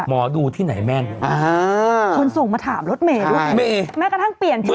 หมอดูที่ไหนแม่นอ่าคุณส่งมาถามรถเมตรใช่ไม่เองแม้กระทั่งเปลี่ยนเชื่อ